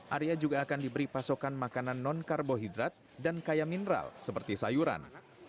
arya juga akan diberi pasokan makanan non karbohidrat dan kaya mineral seperti sayuran